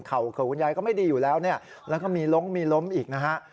เข่ากลัวคุณยายก็ไม่ดีอยู่แล้วแล้วก็มีล้มมีล้มอีกนะฮะ